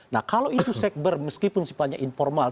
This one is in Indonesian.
nah kalau itu sekber meskipun sifatnya informal